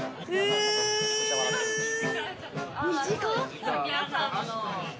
身近？